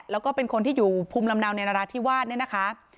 นี่แหละแล้วก็เป็นคนที่อยู่ภูมิลำเนาในราชที่วาดเนี่ยนะคะ